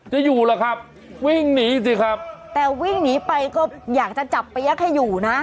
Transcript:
จะอยู่ล่ะครับวิ่งหนีสิครับแต่วิ่งหนีไปก็อยากจะจับไปยักษ์ให้อยู่นะ